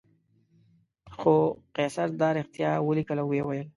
خو قیصر دا رښتیا ولیکل او وویل.